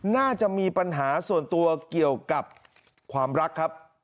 น่าจะมีปัญหาส่วนตัวเกี่ยวกับความรักครับ